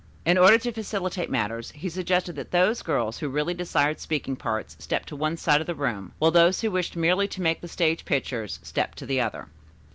In order to facilitate matters, he suggested that those girls who really desired speaking parts step to one side of the room, while those who wished merely to make the stage pictures, step to the other.